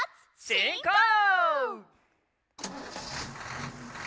しんこう！